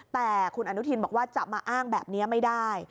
แต่คุณอนุทินบอกว่าจะมาอ้างแบบนี้ไม่ได้